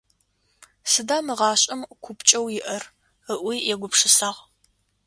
Сыда мы гъашӀэм купкӀэу иӀэр?- ыӀуи егупшысагъ.